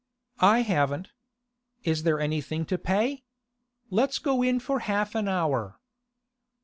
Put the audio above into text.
'I haven't. Is there anything to pay? Let's go in for half an hour.